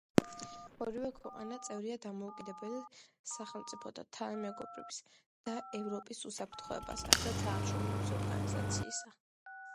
ორივე ქვეყანა წევრია დამოუკიდებელ სახელმწიფოთა თანამეგობრობისა და ევროპის უსაფრთხოებისა და თანამშრომლობის ორგანიზაციისა.